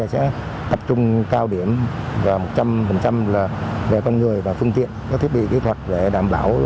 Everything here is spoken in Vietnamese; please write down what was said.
sẽ tập trung cao điểm và một trăm linh là về con người và phương tiện các thiết bị kỹ thuật để đảm bảo